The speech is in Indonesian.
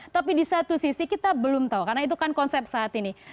tapi di satu sisi kita belum tahu karena itu kan konsep saat ini